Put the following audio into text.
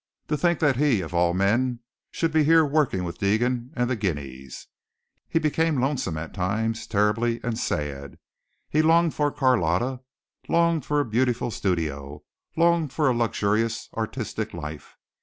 To think that he, of all men, should be here working with Deegan and the guineas! He became lonesome at times terribly, and sad. He longed for Carlotta, longed for a beautiful studio, longed for a luxurious, artistic life.